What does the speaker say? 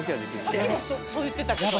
さっきもそう言ってた。